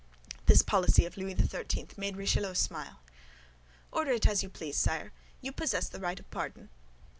This policy of Louis XIII. made Richelieu smile. "Order it as you please, sire; you possess the right of pardon."